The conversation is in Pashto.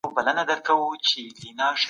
اسلام انسان ته د ژوند هدف وښودلی.